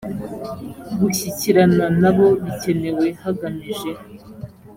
gushyikirana n abo bikenewe hagamije